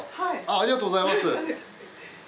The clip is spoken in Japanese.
ありがとうございます。